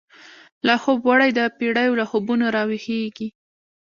لا خوب وړی دپیړیو، له خوبونو را وښیږیږی